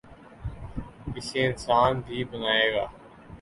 ، اسے انسان بھی بنائے گا۔